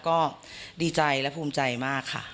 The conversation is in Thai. ก็ดีใจและภูมิใจมากค่ะ